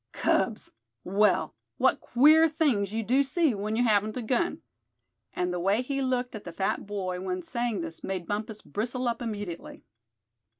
Cubs! Well, what queer things you do see when you haven't a gun," and the way he looked at the fat boy when saying this made Bumpus bristle up immediately.